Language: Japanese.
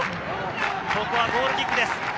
ここはゴールキックです。